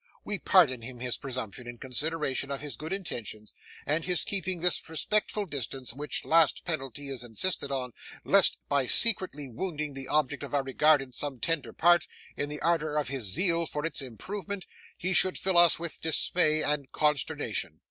We pardon him his presumption in consideration of his good intentions, and his keeping this respectful distance, which last penalty is insisted on, lest by secretly wounding the object of our regard in some tender part, in the ardour of his zeal for its improvement, he should fill us with dismay and consternation.